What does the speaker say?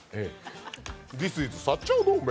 ディス・イズ薩長同盟。